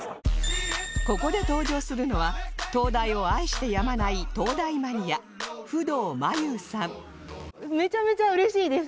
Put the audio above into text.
ここで登場するのは灯台を愛してやまないめちゃめちゃ嬉しいです。